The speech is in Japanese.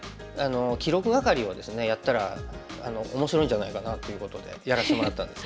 記録係をですねやったら面白いんじゃないかなということでやらしてもらったんです。